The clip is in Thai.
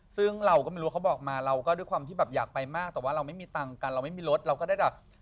ซึ่งเราก็ไม่รู้ว่าเขาบอกมาเราก็ด้วยความที่แบบอยากไปมากแต่ว่าเราไม่มีตังค์กันเราไม่มีรถเราก็ได้แบบ